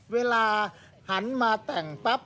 เวลาหันมาแต่งปั๊บ